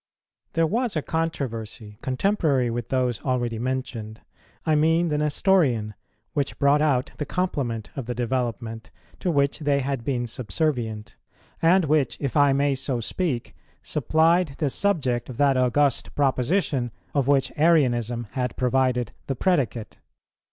There was a controversy contemporary with those already mentioned, I mean the Nestorian, which brought out the complement of the development, to which they had been subservient; and which, if I may so speak, supplied the subject of that august proposition of which Arianism had provided the predicate.